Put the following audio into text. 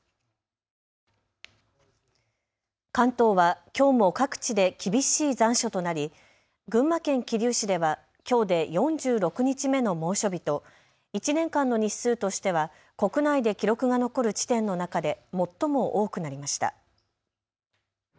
関東はきょうも各地で厳しい残暑となり群馬県桐生市ではきょうで４６日目の猛暑日と１年間の日数としては国内で記録が残る地点の中で最も多くなりました。